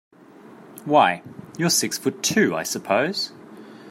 Why, you're six foot two, I suppose?